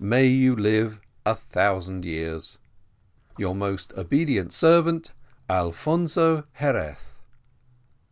May you live a thousand years. "Your most obedient servant: "ALFONZO XEREZ."